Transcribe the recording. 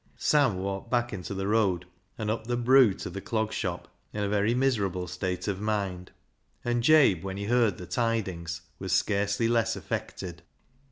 Sam walked back into the road, and up the " broo " to the Clog Shop, in a very miserable state of mind ; and Jabe, when he heard the tidings, was scarcely less affected.